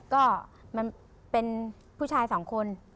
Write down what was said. ก็มันเป็นผู้ชายสองคน